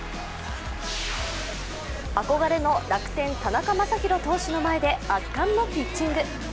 憧れの楽天・田中将大投手の前で圧巻のピッチング。